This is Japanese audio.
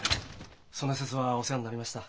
その節はお世話になりました。